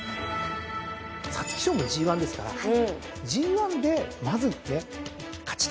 皐月賞もＧⅠですからＧⅠでまず勝ちたい。